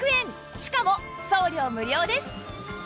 しかも送料無料です